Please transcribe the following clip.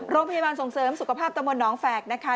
โรงพยาบาลส่งเสริมสุขภาพตะมนตน้องแฝกนะคะ